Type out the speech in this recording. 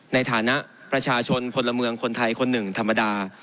ในฐานะประชาชนพลเมืองคนไทยคนหนึ่งธรรมดา